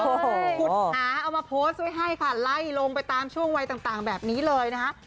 ขุดหาเอามาโพสต์ไว้ให้ค่ะไล่ลงไปตามช่วงวัยต่างแบบนี้เลยนะคะ